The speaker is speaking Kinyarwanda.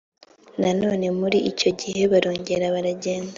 nanone muri icyo gihe barongera baragenda